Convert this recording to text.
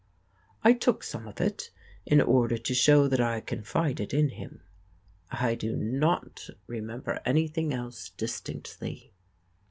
I took some of it in order to show that I confided in him. I do not remember anything else distinctly.